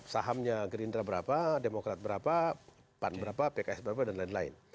sahamnya gerindra berapa demokrat berapa pan berapa pks berapa dan lain lain